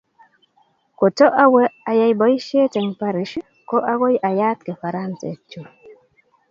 koto owe ayai boisie eng Paris, ko akoi ayat kifaransekchu